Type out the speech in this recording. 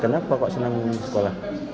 kenapa kok senang sekolah